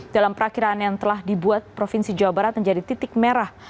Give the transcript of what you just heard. dalam perakhiran yang telah dibuat provinsi jawa barat menjadi titik merah